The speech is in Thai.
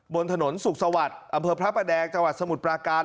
บนถนนสุขสวัสดิ์อำเภอพระประแดงจังหวัดสมุทรปราการ